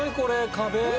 壁。